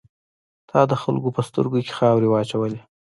تا د خلکو په سترګو کې خاورې واچولې.